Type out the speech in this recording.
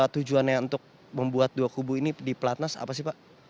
tujuannya untuk membuat dua kubu ini di pelatnas apa sih pak